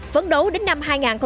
vẫn đối đến năm hai nghìn hai mươi